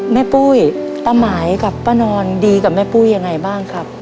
ปุ้ยป้าหมายกับป้านอนดีกับแม่ปุ้ยยังไงบ้างครับ